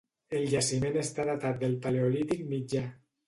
El jaciment està datat del Paleolític Mitjà.